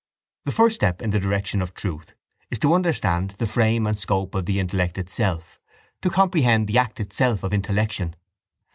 The first step in the direction of truth is to understand the frame and scope of the intellect itself, to comprehend the act itself of intellection.